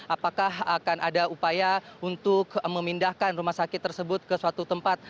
apakah akan ada upaya untuk memindahkan rumah sakit tersebut ke suatu tempat